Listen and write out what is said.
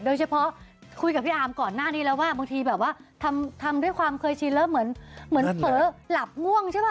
โดยเฉพาะคุยกับพี่อาร์มก่อนหน้านี้แล้วว่าบางทีแบบว่าทำด้วยความเคยชินแล้วเหมือนเผลอหลับง่วงใช่ป่